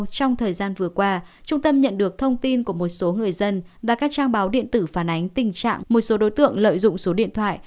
trong thời gian vừa qua trung tâm nhận được thông tin của một số người dân và các trang báo điện tử phản ánh tình trạng một số đối tượng lợi dụng số điện thoại